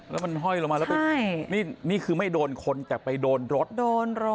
แล้วมันห้อยลงมาแล้วไปนี่คือไม่โดนคนแต่ไปโดนรถโดนรถ